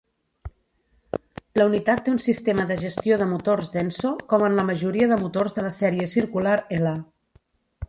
La unitat té un sistema de gestió de motors Denso, com en la majoria de motors de la sèrie circular L.